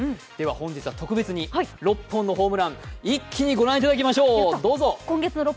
本日は、特別に６本のホームラン、一気にご覧いただきましょう。